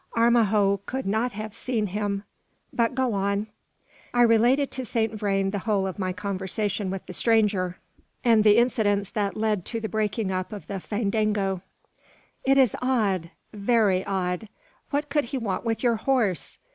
Armijo could not have seen him: but go on." I related to Saint Vrain the whole of my conversation with the stranger, and the incidents that led to the breaking up of the fandango. "It is odd very odd! What could he want with your horse?